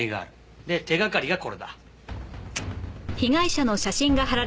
で手掛かりがこれだ。